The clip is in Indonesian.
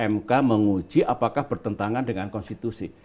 mk menguji apakah bertentangan dengan konstitusi